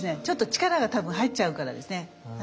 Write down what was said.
ちょっと力が多分入っちゃうからですね。